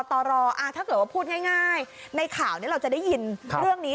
ตรถ้าเกิดว่าพูดง่ายในข่าวนี้เราจะได้ยินเรื่องนี้